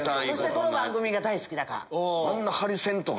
この番組が大好きだから。